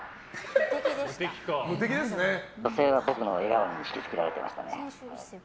女性は僕の笑顔にひきつけられていましたね。